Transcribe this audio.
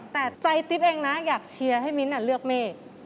แต่ใจติ๊บเองนะอยากเชียร์ให้มิ้นเลือกเมฆ